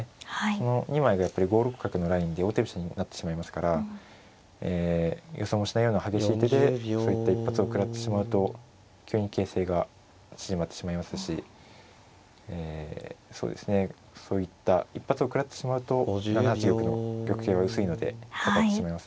その２枚がやっぱり５六角のラインで王手飛車にもなってしまいますから予想もしないような激しい手でそういった一発を食らってしまうと急に形勢が縮まってしまいますしえそうですねそういった一発を食らってしまうと７八玉の玉形は薄いので。